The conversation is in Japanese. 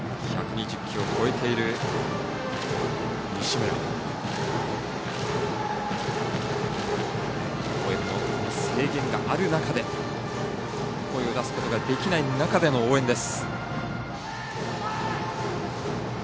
応援の制限がある中で声を出すことができない中での応援です。